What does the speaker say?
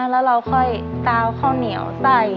แล้วเราค่อยกาวข้าวเหนียวใส่